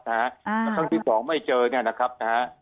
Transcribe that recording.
และครั้งที่๒ไม่เจอนะครับ